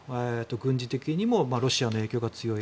軍事的にもロシアの影響が強い。